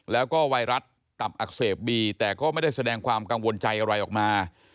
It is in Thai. แล้วก็ไวรัสตับอักเสบบีแต่ก็ไม่ได้แสดงความกังวลใจอะไรออกมา